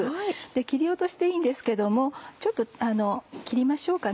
切り落としでいいんですけどもちょっと切りましょうかね